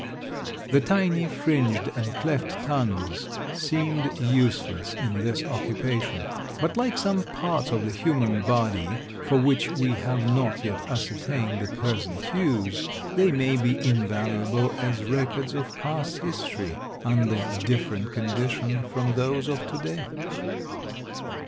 The tiny fringed and cleft tongues seemed useless in this occupation, but like some parts of the human body for which we have not yet ascertained the present use, they may be invaluable as records of past history under different conditions from those of to day.